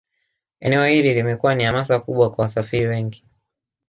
Eneo hili limekuwa ni hamasa kubwa kwa wasafiri wengi